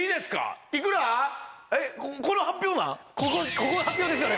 ここで発表ですよね？